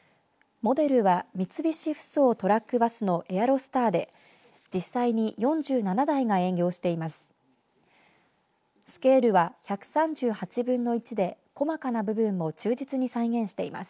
モデルは三菱ふそうトラック・バスのエアロスターで実際に４７台が営業しています。